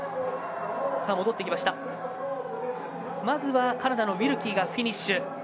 まずはカナダのウィルキーがフィニッシュ。